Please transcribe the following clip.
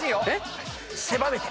狭めて。